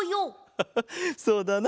ハハッそうだな。